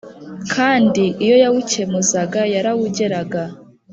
Kandi iyo yawukemuzaga yarawugeraga